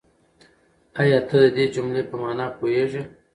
آيا ته د دې جملې په مانا پوهېږې؟